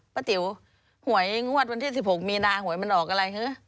ติ๋วหวยงวดวันที่๑๖มีนาหวยมันออกอะไรฮะ